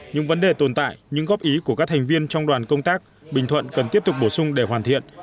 những vấn đề tồn tại những góp ý của các thành viên trong đoàn công tác bình thuận cần tiếp tục bổ sung để hoàn thiện